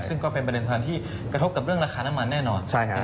ซึ่งก็เป็นประเด็นสถานที่กระทบกับเรื่องราคาน้ำมันแน่นอน